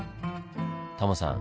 タモさん